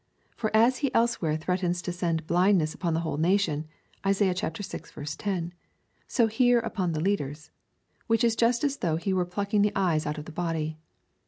For as he elsewhere threatens to send blindness upon the whole nation (Isaiah vi. 10,) so here, upon the leaders ; which is just as though he were plucking the eyes out of the body.